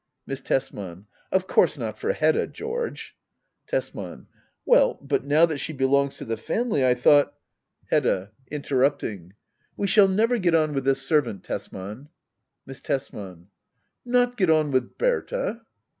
Miss Tesman, Of course not for Hedda, George. Tesman. Well, but now that she belongs to the family, I thought Digitized by Google 22 HEDDA OABLER. [aCT I. [Interrupting.] We shall never get on with this servant^ Tesman. Miss Tesman. Not get on with Berta